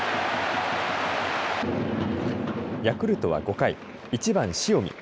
ヤクルトは５回１番、塩見。